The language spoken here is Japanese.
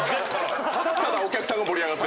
ただただお客さん盛り上がって。